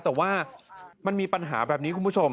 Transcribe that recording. แต่ว่ามันมีปัญหาแบบนี้คุณผู้ชม